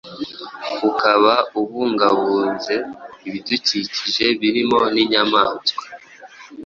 ukaba ubungabunze ibidukikije birimo n’inyamaswa.